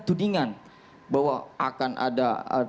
tudingan bahwa akan ada